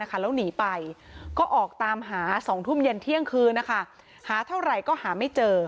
แล้วหนีไปก็ออกตามหา๒ทุ่มเย็นเที่ยงคืนหาเท่าไหร่ก็หาไม่เจอ